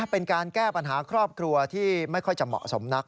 เป็นการแก้ปัญหาครอบครัวที่ไม่ค่อยจะเหมาะสมนัก